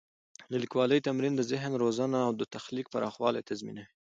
د لیکوالي تمرین د ذهن روزنه او د تخلیق پراخوالی تضمینوي.